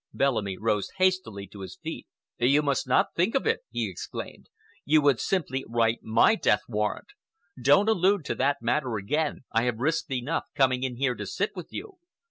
Bellamy rose hastily to his feet. "You must not think of it!" he exclaimed. "You would simply write my death warrant. Don't allude to that matter again. I have risked enough in coming in here to sit with you."